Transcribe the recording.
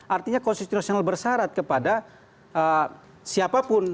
artinya konstitusional bersarat kepada siapapun